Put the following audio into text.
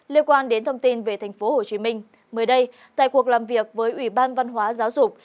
liên quan đến thông tin về tp hcm mới đây tại cuộc làm việc với ủy ban văn hóa giáo dục